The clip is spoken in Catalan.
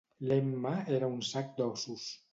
L'Emma era un sac d'ossos.